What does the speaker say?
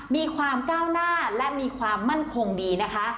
มีความก้าวหน้าและมีความมั่นคงดีนะคะ